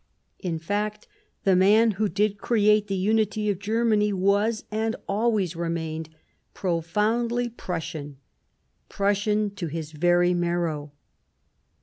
In fact, the man who did create the unity of Germany was, and always remained, profoundly Prussian ; Prussian to his very marrow.